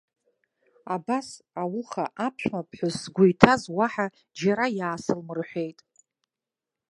Абас, ауха аԥшәмаԥҳәыс сгәы иҭаз уаҳа џьара иаасылмырҳәеит.